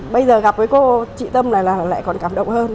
bây giờ gặp với cô chị tâm này là lại còn cảm động hơn